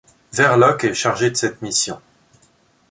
Verloc est chargé de cette mission.